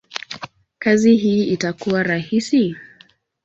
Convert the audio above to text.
kazi hii itakuwa rahisi?